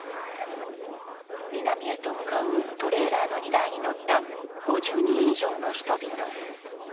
南へと向かうトレーラーの荷台に乗った５０人以上の人々。